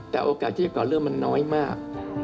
แต่โอกาสที่จะก่อเรื่องมันน้อยมาก